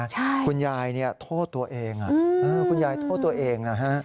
ใช่คุณยายเนี่ยโทษตัวเองคุณยายโทษตัวเองนะฮะ